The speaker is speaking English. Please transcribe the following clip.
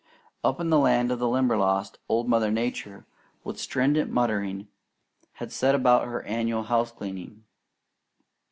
Up in the land of the Limberlost, old Mother Nature, with strident muttering, had set about her annual house cleaning.